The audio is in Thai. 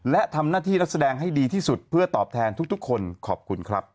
และทำหน้าที่นักแสดงให้ดีที่สุดเพื่อตอบแทนทุกคนขอบคุณครับ